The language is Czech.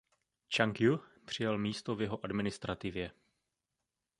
Čang Jü přijal místo v jeho administrativě.